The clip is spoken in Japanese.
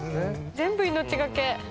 全部命懸け！